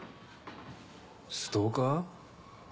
ストーカー？